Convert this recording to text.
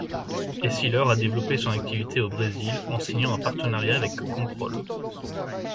Essilor a développé son activité au Brésil en signant un partenariat avec Comprol.